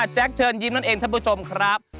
เชิญยิ้มนั่นเองท่านผู้ชมครับ